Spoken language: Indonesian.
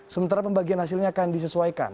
sementara pembagian hasilnya akan disesuaikan